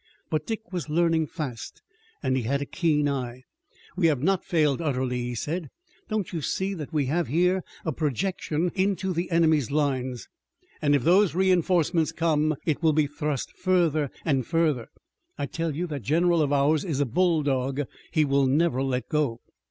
But Dick was learning fast and he had a keen eye. "We have not failed utterly," he said. "Don't you see that we have here a projection into the enemy's lines, and if those reinforcements come it will be thrust further and further? I tell you that general of ours is a bull dog. He will never let go."